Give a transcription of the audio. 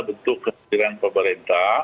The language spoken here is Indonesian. bentuk kesejahteraan pemerintah